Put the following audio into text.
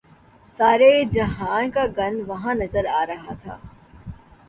سارے جہان کا گند وہاں نظر آ رہا تھا۔